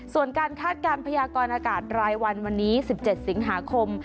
ส่วนการคาดการณ์พยากรอากาศรายวันวันนี้๑๗สิงหาคม